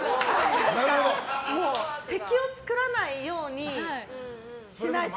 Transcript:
もう敵を作らないようにしないと。